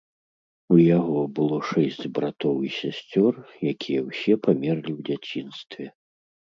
У яго было шэсць братоў і сясцёр, якія ўсе памерлі ў дзяцінстве.